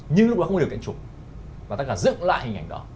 nhưng lúc đó không có điều kiện chủng và tác giả dựng lại hình ảnh đó